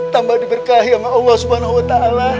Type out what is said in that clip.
tambah diberkahi sama allah